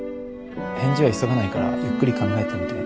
返事は急がないからゆっくり考えてみて。